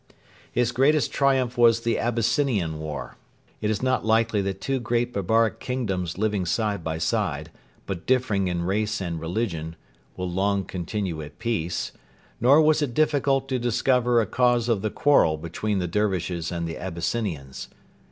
His greatest triumph was the Abyssinian war. It is not likely that two great barbaric kingdoms living side by side, but differing in race and religion, will long continue at peace; nor was it difficult to discover a cause of the quarrel between the Dervishes and the Abyssinians.